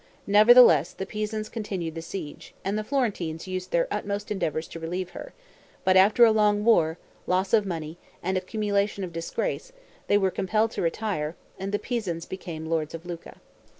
Nevertheless, the Pisans continued the siege, and the Florentines used their utmost endeavors to relieve her; but after a long war, loss of money, and accumulation of disgrace, they were compelled to retire, and the Pisans became lords of Lucca.